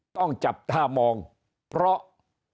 ต้องจับตามองเพราะ